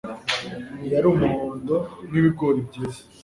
Yari umuhondo nkibigori byeze